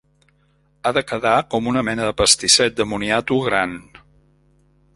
Ha de quedar com una mena de pastisset de moniato gran.